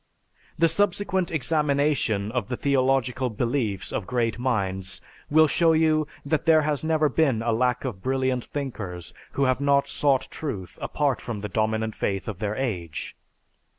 The subsequent examination of the theological beliefs of great minds will show that there has never been a lack of brilliant thinkers who have not sought truth apart from the dominant faith of their age.